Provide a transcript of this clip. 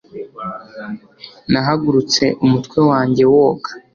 Nahagurutse umutwe wanjye woga